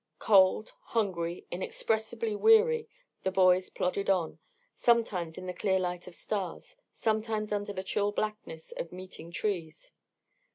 Cold, hungry, inexpressibly weary, the boys plodded on, sometimes in the clear light of stars, sometimes under the chill blackness of meeting trees.